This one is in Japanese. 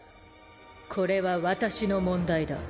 これは私の問題だ。